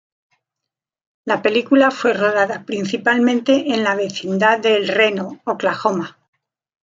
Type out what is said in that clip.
La película fue rodada principalmente en la vecindad de El Reno, Oklahoma.